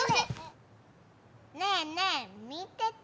ねえねえみてて。